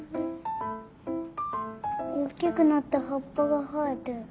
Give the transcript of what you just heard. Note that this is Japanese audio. おっきくなってはっぱがはえてる。